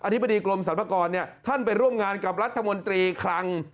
ธิบดีกรมสรรพากรท่านไปร่วมงานกับรัฐมนตรีคลัง